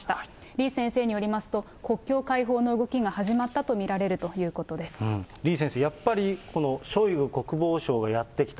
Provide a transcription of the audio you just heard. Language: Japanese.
李先生によりますと、国境開放の動きが始まったと見られるという李先生、やっぱり、このショイグ国防相がやって来た。